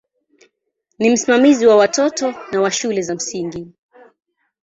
Ni msimamizi wa watoto na wa shule za msingi.